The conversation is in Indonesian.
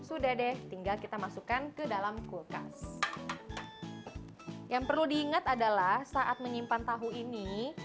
sudah deh tinggal kita masukkan ke dalam kulkas yang perlu diingat adalah saat menyimpan tahu ini